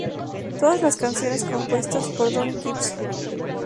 Todas las canciones compuestas por Don Gibson.